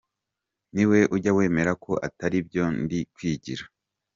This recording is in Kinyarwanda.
Ni we ujya wemera ko atari ibyo ndi kwigira.